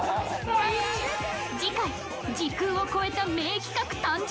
次回時空を超えた名企画誕生？